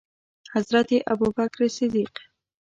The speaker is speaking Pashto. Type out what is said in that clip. حضرت ابوبکر صدیق